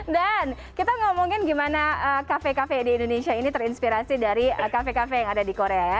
dan kita ngomongin gimana kafe kafe di indonesia ini terinspirasi dari kafe kafe yang ada di korea ya